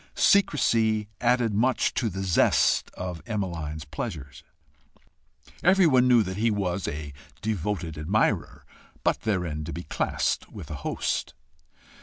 Secrecy added much to the zest of Emmeline's pleasures. Everyone knew that he was a devoted admirer but therein to be classed with a host.